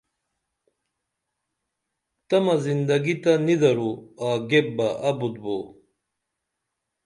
تمہ زندگی تہ نی درو آگیپ بہ ابُت بو